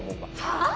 はあ！？